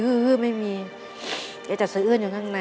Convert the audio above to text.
แกจะเสื้อนอยู่ข้างใน